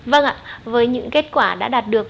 vâng ạ với những kết quả đã đạt được